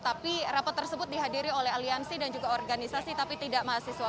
tapi rapat tersebut dihadiri oleh aliansi dan juga organisasi tapi tidak mahasiswa